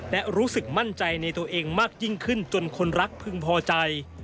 และรู้สึกมั่นใจในตัวเองมากยิ่งขึ้นจนคนรักพึงพอใจ